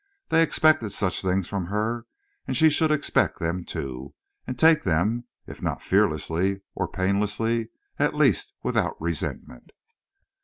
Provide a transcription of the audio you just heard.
They expected such things from her, and she should expect them, too, and take them, if not fearlessly or painlessly, at least without resentment.